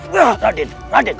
radin radin radin